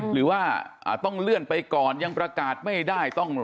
หรือว่าต้องเลื่อนไปก่อนยังประกาศไม่ได้